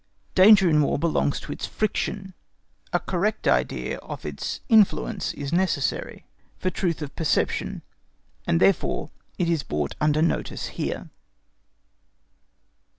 Danger in War belongs to its friction; a correct idea of its influence is necessary for truth of perception, and therefore it is brought under notice here.